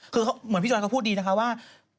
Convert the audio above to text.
คือเหมือนพี่จอยก็พูดดีนะคะว่า